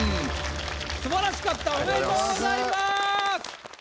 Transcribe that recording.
素晴らしかったおめでとうございます。